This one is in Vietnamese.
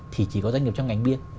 thì chỉ có doanh nghiệp trong ngành bia